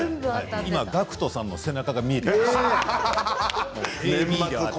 今、ＧＡＣＫＴさんの背中が見えています。